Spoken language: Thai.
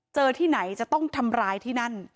ที่ไหนจะต้องทำร้ายที่นั่น